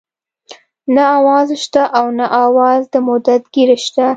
نه اواز شته نه اواز د مدد ګير شته